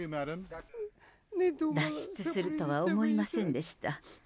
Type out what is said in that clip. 脱出するとは思いませんでした。